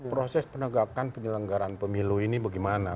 proses penegakan penyelenggaraan pemilu ini bagaimana